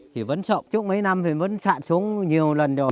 thì vẫn sộng trước mấy năm thì vẫn sạt xuống nhiều lần rồi